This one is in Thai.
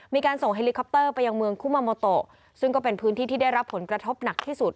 มีการส่งเฮลิคอปเตอร์ไปยังเมืองคุมาโมโตซึ่งก็เป็นพื้นที่ที่ได้รับผลกระทบหนักที่สุด